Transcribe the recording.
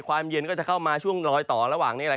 ความเย็นก็จะเข้ามาช่วงลอยต่อระหว่างนี้